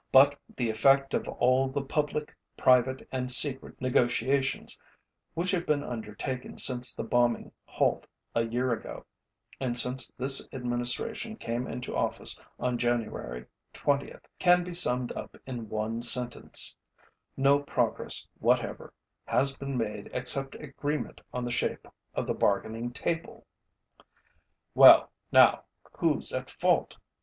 But the effect of all the public, private, and secret negotiations which have been undertaken since the bombing halt a year ago, and since this Administration came into office on January 20th, can be summed up in one sentence: No progress whatever has been made except agreement on the shape of the bargaining table. Well, now, whoÆs at fault?